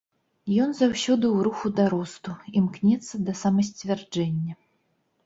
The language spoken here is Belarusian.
Ён заўсёды ў руху да росту, імкнецца да самасцвярджэння.